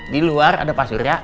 di luar ada pak surya